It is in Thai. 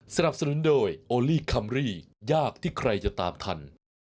สนับสนุนโดยโอลี่คัมรี่ยากที่ใครจะตามทัน